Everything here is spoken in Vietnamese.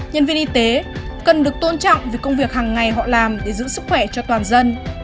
nhân viên y tế cần được tôn trọng vì công việc hàng ngày họ làm để giữ sức khỏe cho toàn dân